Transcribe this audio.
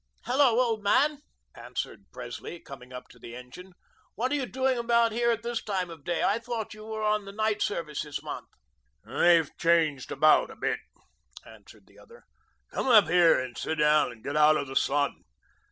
"Hello, old man," answered Presley, coming up to the engine. "What are you doing about here at this time of day? I thought you were on the night service this month." "We've changed about a bit," answered the other. "Come up here and sit down, and get out of the sun.